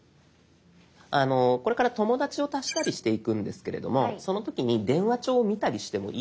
これから友だちを足したりしていくんですけれどもその時に「電話帳を見たりしてもいいですか？」